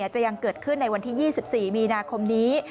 จะยังเกิดขึ้นในวันที่๒๔มีนาคมนี้